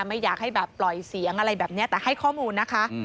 ไม่อยากให้แบบปล่อยเสียงอะไรแบบนี้แต่ให้ข้อมูลนะคะ